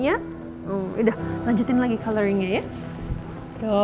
yaudah lanjutin lagi coloring nya ya